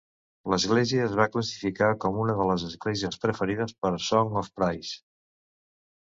L'església es va classificar com una de les esglésies preferides de Songs of Praise.